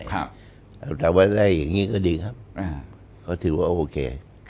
แต่ว่าได้อย่างนี้ก็ดีครับเขาถือว่าโอเค